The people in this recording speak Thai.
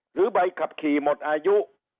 หรือใบขับขี่หมดอายุ